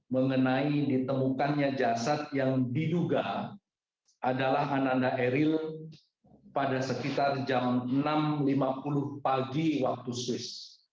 mengenai ditemukannya jasad yang diduga adalah ananda eril pada sekitar jam enam lima puluh pagi waktu swiss